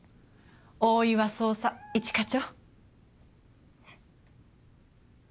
大岩捜査一課長。